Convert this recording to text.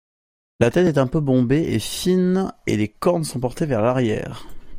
La tête est peu bombée et fine et les cornes sont portées vers l'arrière.